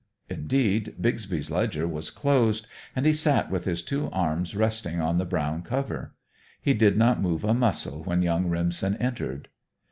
Indeed, Bixby's ledger was closed, and he sat with his two arms resting on the brown cover. He did not move a muscle when young Remsen entered.